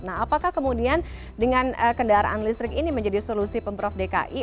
nah apakah kemudian dengan kendaraan listrik ini menjadi solusi pemprov dki